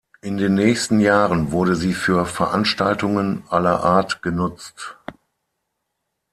In den nächsten Jahren wurde sie für Veranstaltungen aller Art genutzt.